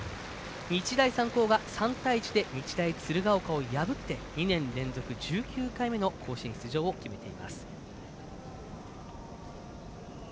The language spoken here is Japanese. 日大三高が３対１で日大鶴ヶ丘を破って２年連続１９回目の甲子園出場を決めています。